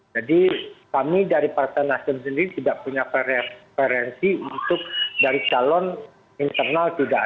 jadi kami dari partai nasdem sendiri tidak punya referensi untuk dari calon internal tidak ada